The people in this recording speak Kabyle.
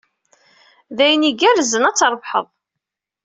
D ayen igerrzen ad trebḥed.